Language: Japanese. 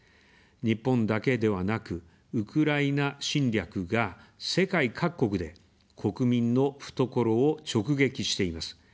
日本だけではなく、ウクライナ侵略が世界各国で国民の懐を直撃しています。